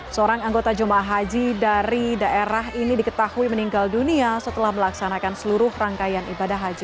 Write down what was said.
seorang anggota jemaah haji dari daerah ini diketahui meninggal dunia setelah melaksanakan seluruh rangkaian ibadah haji